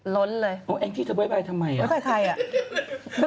ล้นเลยแอ้งที่เธอบ๊ายบายทำไมไม่ค่อยใครอ่ะ